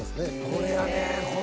これやねん。